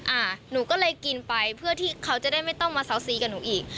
หนูก็เลยกินไปเพื่อที่เขาจะได้ไม่ต้องมาเซาซีกับหนูอีก